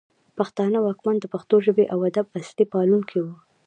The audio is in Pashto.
پښتانه واکمن د پښتو ژبې او ادب اصلي پالونکي وو